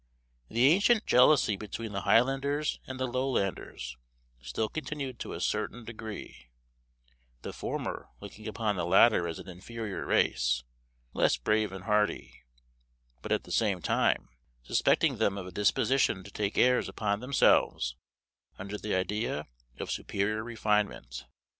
The ancient jealousy between the Highlanders and the Lowlanders still continued to a certain degree, the former looking upon the latter as an inferior race, less brave and hardy, but at the same time, suspecting them of a disposition to take airs upon themselves under the idea of superior refinement.